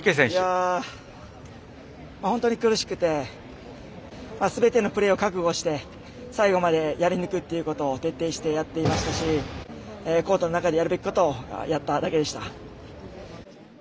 本当に苦しくてすべてのプレーを覚悟して最後までやりぬくということを徹底してやっていましたしコートの中でやるべきことをやっただけでした。